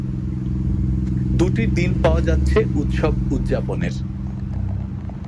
দুটির দিন পাওয়া যাচ্ছে উৎসব উ্যাপনের।